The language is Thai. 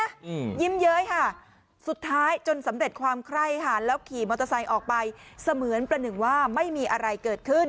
อืมยิ้มเย้ยค่ะสุดท้ายจนสำเร็จความไคร้ค่ะแล้วขี่มอเตอร์ไซค์ออกไปเสมือนประหนึ่งว่าไม่มีอะไรเกิดขึ้น